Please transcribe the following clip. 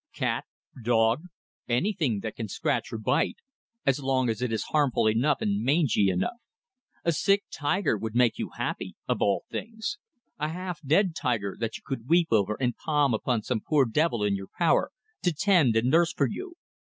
Cat, dog, anything that can scratch or bite; as long as it is harmful enough and mangy enough. A sick tiger would make you happy of all things. A half dead tiger that you could weep over and palm upon some poor devil in your power, to tend and nurse for you.